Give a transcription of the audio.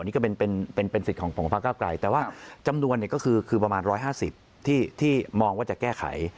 นี่ก็เป็นสิทธิ์ของพระเก้าไกลแต่ว่าจำนวนเนี่ยก็คือประมาณ๑๕๐ที่มองว่าจะแก้ไข